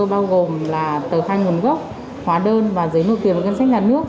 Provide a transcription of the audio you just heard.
bao gồm là tờ khai nguồn gốc hóa đơn và giấy nội tiền và cân sách nhà nước